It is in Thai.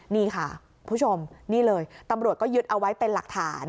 นี่ค่ะคุณผู้ชมนี่เลยตำรวจก็ยึดเอาไว้เป็นหลักฐาน